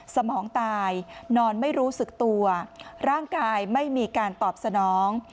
สมองตายนอนไม่รู้สึกตัวร่างกายไม่มีการตอบสนอง